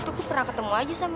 itu aku pernah ketemu aja sama dia